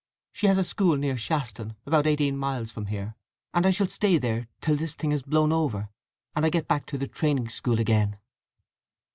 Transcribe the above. She has a school near Shaston, about eighteen miles from here—and I shall stay there till this has blown over, and I get back to the training school again."